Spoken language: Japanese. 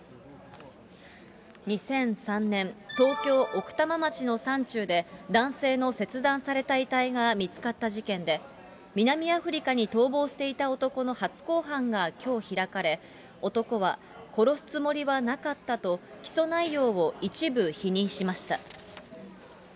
２００３年、東京・奥多摩町の山中で、男性の切断された遺体が見つかった事件で、南アフリカに逃亡していた男の初公判がきょう開かれ、男は殺すつもりはなかったと起訴内容を一部否認しました。